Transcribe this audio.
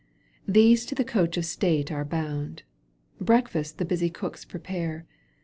These to the coach of state are bound, Breakfast the busy cooks prepare.